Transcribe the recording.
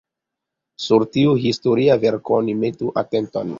Sur tiu historia verko oni metu atenton.